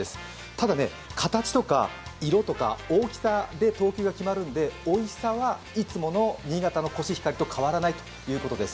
ただね、形とか色とか大きさで等級が決まるんでおいしさは、いつもの新潟のコシヒカリと変わらないということです。